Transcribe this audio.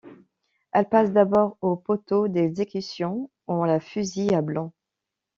Elle passe d’abord au poteau d’exécution où on la fusille à blanc.